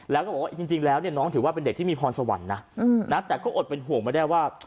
แล้วก็บอกว่าจริงแล้วเนี่ยน้องถือว่าเป็นเด็กที่มีพรสวรรค์นะแต่ก็อดเป็นห่วงไม่ได้ว่า